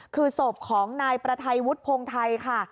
คือศพของนายประไทยวุฒิพงไทยค่ะ